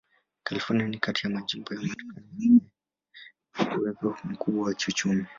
California ni kati ya majimbo ya Marekani yenye uwezo mkubwa wa kiuchumi.